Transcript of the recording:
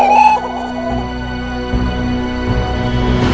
terima kasih cinta anda